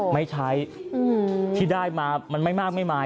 ไม่ใช้ที่ได้มามันไม่มากไม่มาย